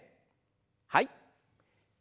はい。